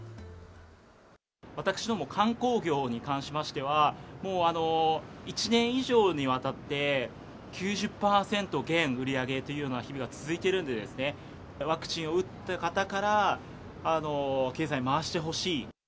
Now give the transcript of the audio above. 私ども、観光業に関しましては、もう１年以上にわたって、９０％減売り上げというような日々が続いているんでですね、ワクチンを打った方から、経済回してほしい。